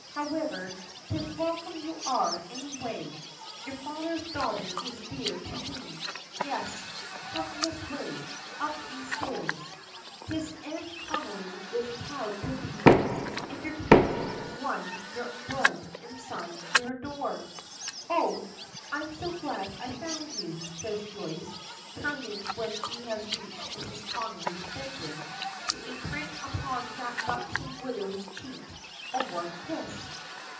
However, 'tis welcome y'are, any way. Your father's daughter is dear to me yes, come this way up these stairs. 'Tis Anne Connolly is proud to be enthertainin' one o' yer blood inside her door." "Oh! I'm so glad I found you," says Joyce, turning when she has reached Mrs. Connolly's bedroom to imprint upon that buxom widow's cheek a warm kiss.